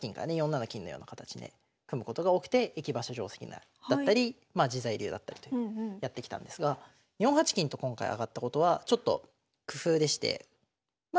４七金のような形で組むことが多くて駅馬車定跡だったり自在流だったりとやってきたんですが４八金と今回上がったことはちょっと工夫でしてま